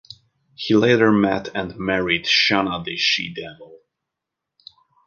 He later met and married Shanna the She-Devil.